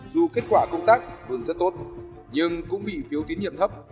dù kết quả công tác thường rất tốt nhưng cũng bị phiếu tín nhiệm thấp